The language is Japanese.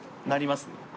なりますね。